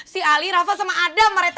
si ali rafa sama adam pak rt